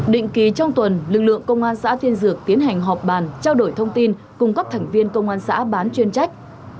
định kỳ trong tuần lực lượng công an xã tiên dược tiến hành họp bàn trao đổi thông tin cùng các thành viên công an xã bán chuyên trách